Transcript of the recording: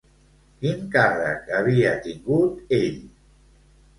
Quin càrrec havia tingut ell?